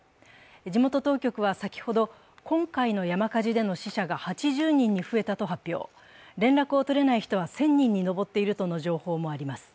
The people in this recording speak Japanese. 地元当局は先ほど、今回の山火事での死者が８０人に増えたと発表、連絡を取れない人は１０００人に上っているとの情報もあります。